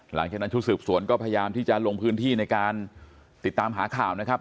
หลังจากนั้นชุดสืบสวนก็พยายามที่จะลงพื้นที่ในการติดตามหาข่าวนะครับ